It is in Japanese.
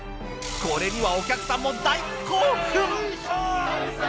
これにはお客さんも大興奮！！